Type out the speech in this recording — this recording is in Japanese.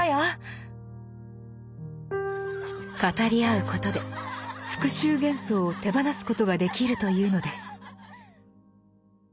語り合うことで復讐幻想を手放すことができるというのです。